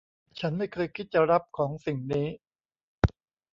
ฉันไม่เคยคิดจะรับของสิ่งนี้